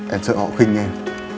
em sợ họ khinh em